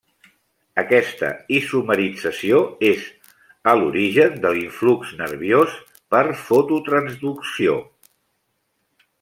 Aquesta isomerització és a l'origen de l'influx nerviós per fototransducció.